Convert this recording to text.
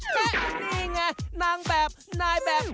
นี่ไงนางแบบนายแบม